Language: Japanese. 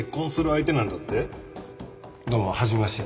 どうも初めまして。